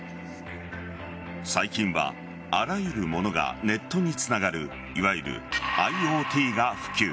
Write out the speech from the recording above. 最近はあらゆるものがネットにつながるいわゆるＩｏＴが普及。